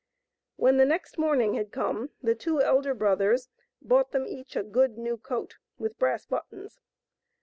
When the next morning had come, the two elder brothers bought them each a good new coat with brass buttons.